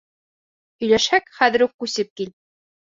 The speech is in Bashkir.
Һөйләшһәк, хәҙер үк күсеп кил!